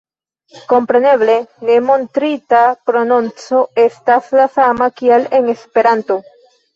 Kompreneble, ne montrita prononco estas la sama, kiel en Esperanto.